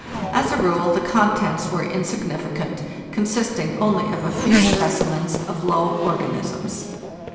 As a rule the contents were insignificant, consisting only of a few specimens of low organisms.